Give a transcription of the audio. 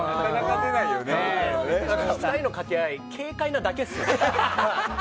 ２人の掛け合い軽快なだけっすね。